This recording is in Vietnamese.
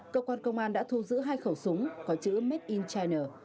cơ quan công an đã thu giữ hai khẩu súng có chữ made in china